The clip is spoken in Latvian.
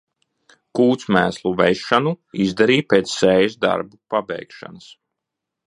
Kūtsmēslu vešanu izdarīja pēc sējas darbu pabeigšanas.